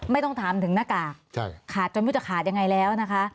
ไม่ต้องถามถึงหน้ากากขาดจนไม่รู้จะขาดยังไงแล้วนะคะ